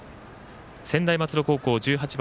専大松戸高校、１８番